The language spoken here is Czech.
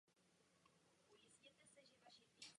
Dostatek hlasů na postup získal pouze Václav Havel.